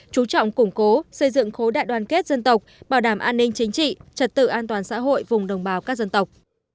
chú trọng củng cố xây dựng khối đại đoàn kết dân tộc bảo đảm an ninh chính trị trật tự an toàn xã hội vùng đồng bào các dân tộc